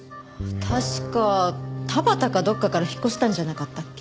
確か田端かどっかから引っ越したんじゃなかったっけ？